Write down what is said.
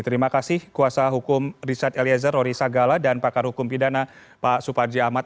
terima kasih kuasa hukum richard eliezer roy sagala dan pakar hukum pidana pak suparji ahmad